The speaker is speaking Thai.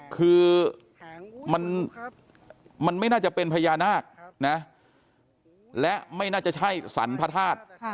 คือมันไม่น่าจะเป็นพญานาคนะและไม่น่าจะใช่สรรพระธาตุ